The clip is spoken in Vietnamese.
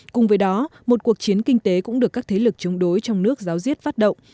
cùng với đó một cuộc chiến kinh tế cũng được các thế lực chống đối trong nước giáo diết phát động